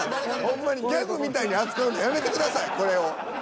ほんまにギャグみたいに扱うのやめてくださいこれを。